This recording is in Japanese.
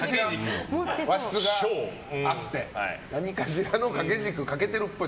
和室があって何かしらの掛け軸かけているっぽい。